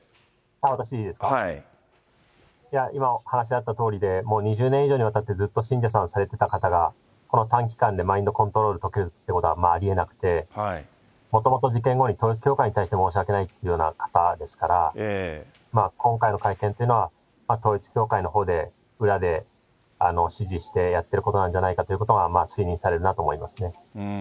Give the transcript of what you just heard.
私いいですか、今、お話あったとおりで、もう２０年以上にわたってずっと信者さんされてた方が、この短期間でマインドコントロールとけるってことはありえなくて、もともと事件後に、統一教会に対して申し訳ないっていうような方ですから、今回の会見というのは、統一教会のほうで、裏で指示してやってるということなんじゃないかと推認されるなと思いますね。